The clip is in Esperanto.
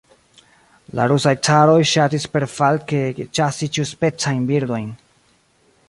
La rusaj caroj ŝatis perfalke ĉasi ĉiuspecajn birdojn.